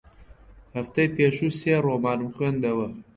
هەفتەی پێشوو سێ ڕۆمانم خوێندەوە.